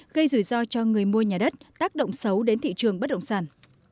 gây rủi ro cho người mua nhà đất tác động xấu đến thị trường bất động sản